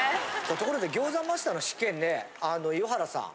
ところで餃子マスターの試験ね岩原さん